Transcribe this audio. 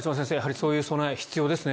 そういう備えが必要ですね。